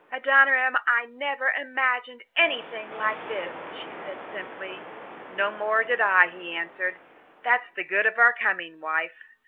"Adoniram, I never imagined anything like this," she said simply. "No more did I," he answered. "That's the good of our coming, wife."